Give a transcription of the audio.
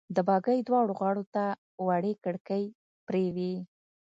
د بګۍ دواړو غاړو ته وړې کړکۍ پرې وې.